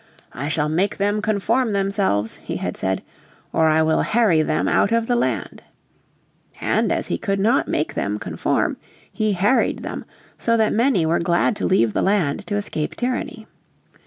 "I shall make them conform themselves," he had said, "or I will harry them out of the land." And as he could not make them conform he "harried" them so that many were glad to leave the land to escape tyranny.